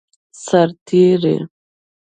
سرتیری